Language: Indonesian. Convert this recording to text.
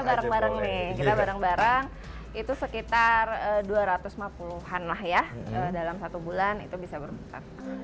kita bareng bareng nih kita bareng bareng itu sekitar dua ratus lima puluh an lah ya dalam satu bulan itu bisa berbuka